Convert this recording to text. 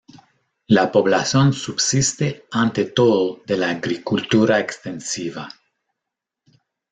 La población subsiste ante todo de la agricultura extensiva.